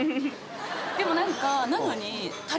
でも何かなのに。